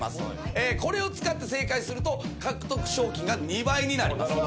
これを使って正解すると獲得賞金が２倍になります。